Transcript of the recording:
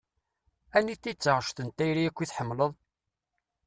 Anita i d taɣect n tayri akk i tḥemmleḍ?